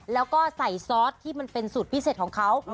แล้วก็ใส่ซอสที่มันเป็นสูตรพิเศษของเขา